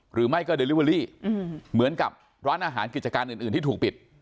หรือไม่ก็เดลิเวอรี่เหมือนกับร้านอาหารกิจการอื่นที่ถูกปิด